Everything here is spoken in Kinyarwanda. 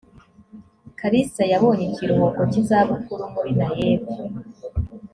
kalisa yabonye ikiruhuko cy’izabukuru muri naeb